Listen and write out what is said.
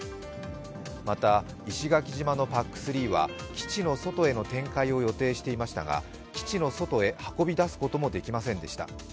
また石垣島のＰＡＣ３は基地の外への展開を予定していましたが基地の外へ運び出すこともできませんでした。